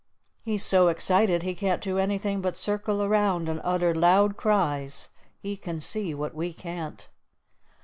He's so excited he can't do anything but circle around and utter loud cries. He can see what we can't."